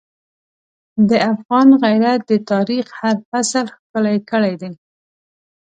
د افغان غیرت د تاریخ هر فصل ښکلی کړی دی.